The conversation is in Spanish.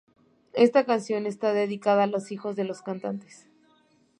Esta canción está dedicada a los hijos de las cantantes.